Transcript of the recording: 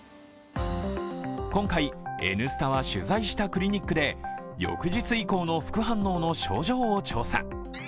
今回「Ｎスタ」は取材したクリニックで翌日以降の副反応の症状を調査。